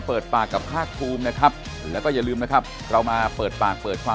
เราดูเสร็จแล้วเห็นอะไรแล้วก็ตรวจ